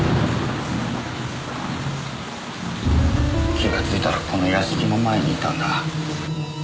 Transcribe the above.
気がついたらこの屋敷の前にいたんだ。